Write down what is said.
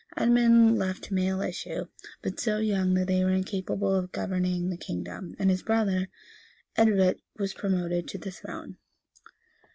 Edmund left male issue, but so young, that they were incapable of governing the kingdom; and his brother, Edred, was promoted to the throne.